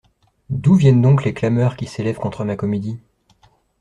D'où viennent donc les clameurs qui s'élèvent contre ma comédie ?